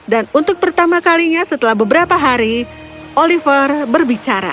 untuk pertama kalinya setelah beberapa hari oliver berbicara